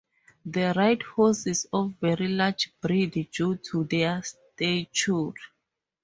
They ride horses of very large breed due to their stature.